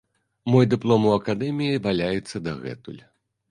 Мой дыплом у акадэміі валяецца дагэтуль.